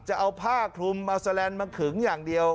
จะเอาผ้าคลุมเอาแสลนด์มาขึงอย่างเดียว